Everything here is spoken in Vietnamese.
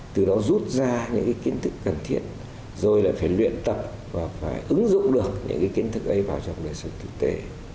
từ đó rút ra những kiến thức cần thiện rồi lại phải luyện tập và phải ứng dụng được những kiến thức ấy vào trong đời sống thực tế